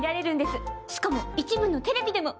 しかも一部のテレビでも。